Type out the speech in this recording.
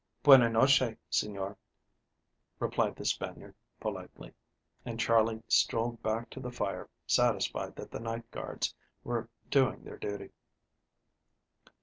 "Bueno nosche, señor," replied the Spaniard politely, and Charley strolled back to the fire, satisfied that the night guards were doing their duty.